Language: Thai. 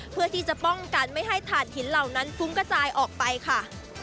เพื่อที่จะป้องกันไม่ให้ถ่านหินเหล่านั้นฟุ้งกระจายออกไปค่ะ